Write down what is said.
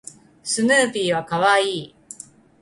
スヌーピーは可愛い